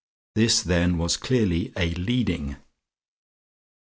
This then was clearly a "leading."